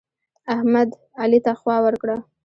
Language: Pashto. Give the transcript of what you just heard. احمد؛ علي ته خوا ورکړه.